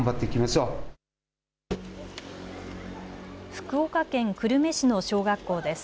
福岡県久留米市の小学校です。